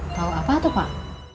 tau apa tuh pak